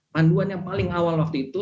panduan yang paling awal waktu itu